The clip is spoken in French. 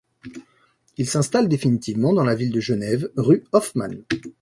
Il s'installe définitivement dans la ville de Genève, rue Hoffmann.